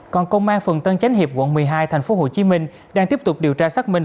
còn công an phường tân chánh hiệp quận một mươi hai tp hcm đang tiếp tục điều tra xác minh